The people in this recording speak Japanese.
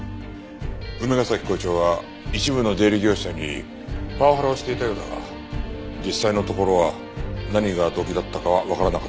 梅ヶ崎校長は一部の出入り業者にパワハラをしていたようだが実際のところは何が動機だったかはわからなかったそうだ。